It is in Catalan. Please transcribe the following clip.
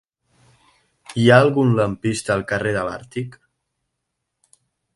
Hi ha algun lampista al carrer de l'Àrtic?